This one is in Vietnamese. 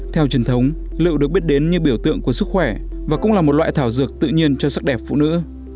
theo truyền thống liệu được biết đến như biểu tượng của sức khỏe và cũng là một loại thảo dược tự nhiên cho sắc đẹp phụ nữ